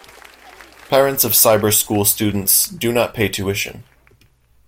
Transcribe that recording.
Parents of cyber school students do not pay tuition.